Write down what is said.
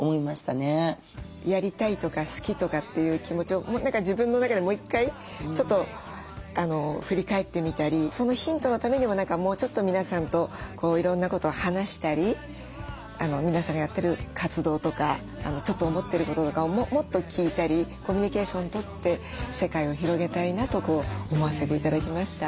やりたいとか好きとかっていう気持ちを何か自分の中でもう１回ちょっと振り返ってみたりそのヒントのためにも何かもうちょっと皆さんといろんなことを話したり皆さんがやってる活動とかちょっと思ってることとかをもっと聞いたりコミュニケーションとって世界を広げたいなと思わせて頂きました。